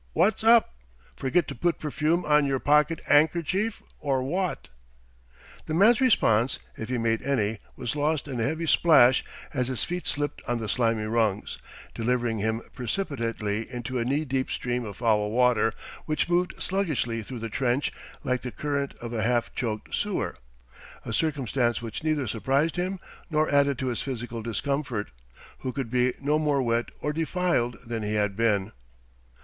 Wot's up? Forget to put perfume on yer pocket 'andkerchief or wot?" The man's response, if he made any, was lost in a heavy splash as his feet slipped on the slimy rungs, delivering him precipitately into a knee deep stream of foul water which moved sluggishly through the trench like the current of a half choked sewer a circumstance which neither suprised him nor added to his physical discomfort, who could be no more wet or defiled than he had been.